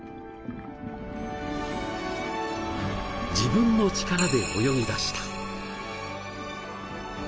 自分の力で泳ぎだした。